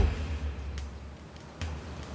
yang akan diberikan